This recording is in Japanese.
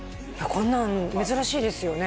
こんなん珍しいですよね